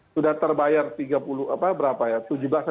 sudah terbayar tiga puluh apa berapa ya